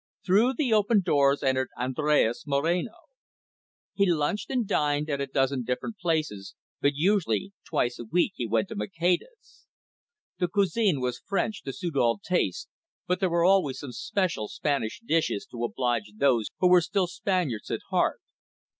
Through the open doors entered Andres Moreno. He lunched and dined at a dozen different places, but usually twice a week he went to Maceda's. The cuisine was French, to suit all tastes, but there were always some special Spanish dishes, to oblige those who were still Spaniards at heart.